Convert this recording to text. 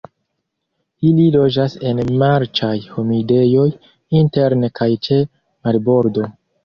Ili loĝas en marĉaj humidejoj interne kaj ĉe marbordo.